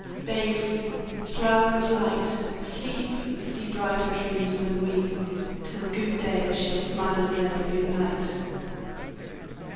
Baby, flower of light, Sleep, and see Brighter dreams than we, Till good day shall smile away good night.